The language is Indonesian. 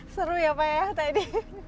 seru ya pak ya tadi